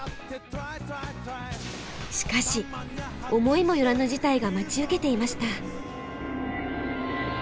しかし思いも寄らぬ事態が待ち受けていました。